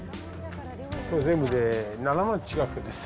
これ全部で７万近くです。